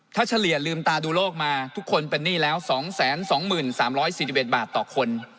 ถ้าเฉลี่ยลืมตาดูโลกมาทุกคนเป็นหนี้แล้ว๒๒๓๔๑บาทต่อคน